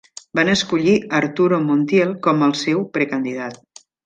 Van escollir Arturo Montiel com al seu precandidat.